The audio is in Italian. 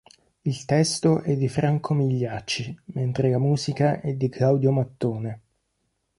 Il testo è di Franco Migliacci, mentre la musica è di Claudio Mattone.